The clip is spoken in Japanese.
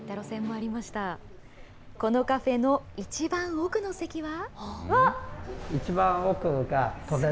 このカフェの一番奥の席は。